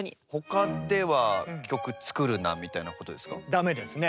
ダメですね。